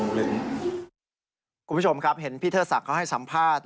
คุณผู้ชมครับเห็นพี่เทิดศักดิ์เขาให้สัมภาษณ์